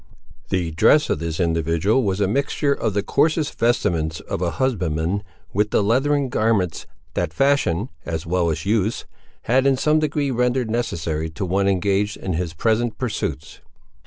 The dress of this individual was a mixture of the coarsest vestments of a husbandman with the leathern garments, that fashion as well as use, had in some degree rendered necessary to one engaged in his present pursuits.